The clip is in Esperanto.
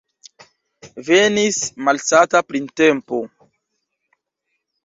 Venis malsata printempo.